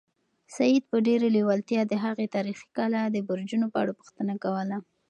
سعید په ډېرې لېوالتیا د هغې تاریخي کلا د برجونو په اړه پوښتنه کوله.